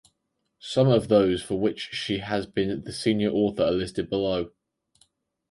Some of those for which she has been the senior author are listed below.